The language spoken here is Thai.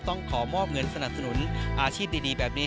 ต้องขอมอบเงินสนับสนุนอาชีพดีแบบนี้